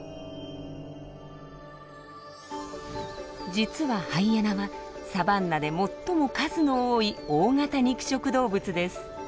実はハイエナはサバンナで最も数の多い大型肉食動物です。